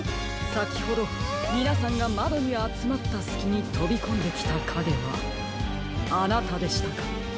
さきほどみなさんがまどにあつまったすきにとびこんできたかげはあなたでしたか。